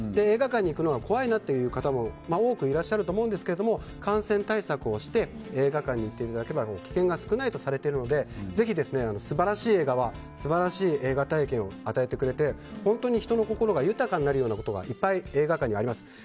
映画館に行くのが怖いなという方も多くいらっしゃると思いますが感染対策をして映画館に行っていただければ危険が少ないとされているのでぜひ素晴らしい映画は素晴らしい映画体験を与えてくれて本当、人の心が豊かになるようなことがいっぱい映画館にはあります。